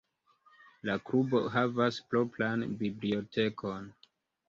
La klubo havas propran bibliotekon.